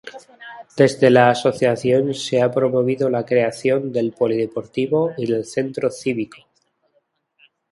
Desde la asociación se ha promovido la creación del polideportivo y del centro cívico.